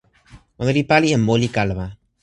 ona li pali e moli kalama.